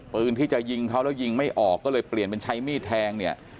ปืนที่จะยิงเขาแล้วยิงไม่ออกก็เลยเปลี่ยนเป็นใช้มีดแทงเนี่ย